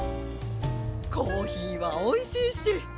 コーヒーはおいしいし。